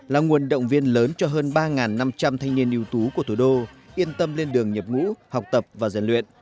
là nguồn động viên lớn cho hơn ba năm trăm linh thanh niên ưu tú của thủ đô yên tâm lên đường nhập ngũ học tập và giàn luyện